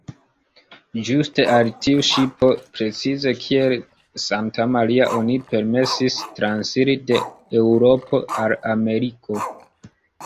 Ĝuste al tiu ŝipo, precize kiel "Santa-Maria", oni permesis transiri de Eŭropo al Ameriko.